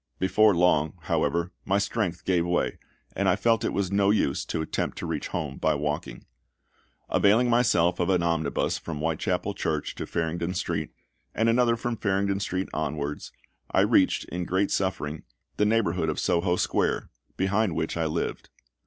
Before long, however, my strength gave way, and I felt it was no use to attempt to reach home by walking. Availing myself of an omnibus from Whitechapel Church to Farringdon Street, and another from Farringdon Street onwards, I reached, in great suffering, the neighbourhood of Soho Square, behind which I lived.